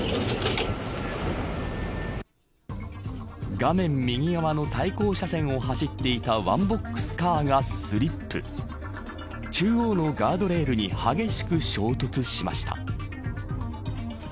画面右側の対向車線を走っていたワンボックスカーがスリップ中央のガードレールに激しく衝突しました。